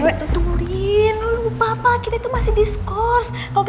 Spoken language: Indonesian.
terima kasih mbak